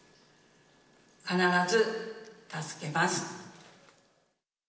必ず助けます。